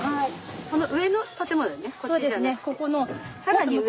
この上の建物だよね。